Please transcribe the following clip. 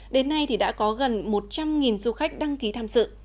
đến nay thì đã có gần một trăm linh du khách đăng ký tham sự